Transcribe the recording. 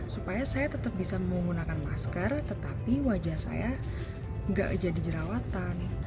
supaya saya tetap bisa menggunakan masker tetapi wajah saya nggak jadi jerawatan